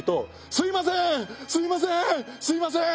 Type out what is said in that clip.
すいません！」